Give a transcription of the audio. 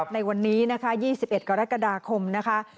ในวันนี้นะคะ๒๑กรกฎาคมนะคะ